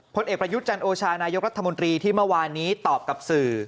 ผลเอกประยุทธ์จันโอชานายกรัฐมนตรีที่เมื่อวานนี้ตอบกับสื่อ